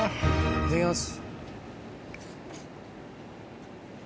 いただきます。